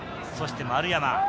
そして丸山。